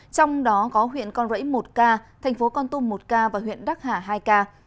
trong đó có huyện con rẫy một ca thành phố con tum một ca và huyện đắc hà hai ca